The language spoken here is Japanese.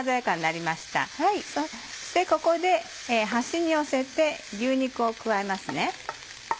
そしてここで端に寄せて牛肉を加えます。